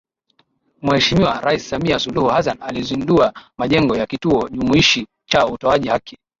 Mheshimiwa Rais Samia Suluhu Hassan azindua Majengo ya Kituo Jumuishi cha Utoaji Haki